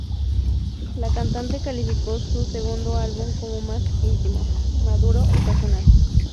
La cantante calificó su segundo álbum como más íntimo, maduro y personal.